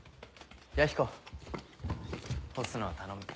弥彦干すのは頼む。